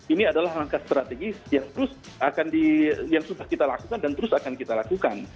ini adalah langkah strategis yang terus akan kita lakukan